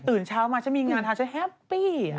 เช้ามาฉันมีงานทำฉันแฮปปี้